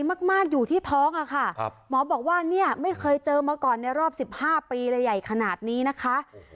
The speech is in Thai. มากอยู่ที่ท้องอะค่ะหมอบอกว่าเนี่ยไม่เคยเจอมาก่อนในรอบ๑๕ปีเลยใหญ่ขนาดนี้นะคะ